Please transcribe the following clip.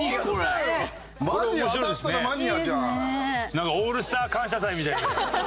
なんか『オールスター感謝祭』みたいだね。